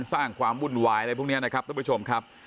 สร้างความวุ่นวายอะไรพวกนี้นะครับท่านผู้ชมครับ